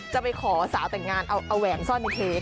จะไปขอสาวแต่งงานเอาแหวนซ่อนในเค้ก